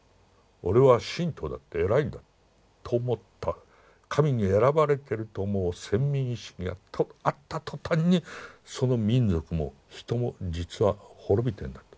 俺は信徒だって偉いんだと思った神に選ばれてると思う選民意識があった途端にその民族も人も実は滅びてんだと。